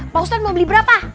pak ustadz mau beli berapa